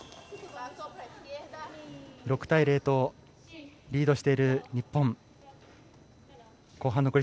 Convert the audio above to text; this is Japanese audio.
６対０とリードしている日本。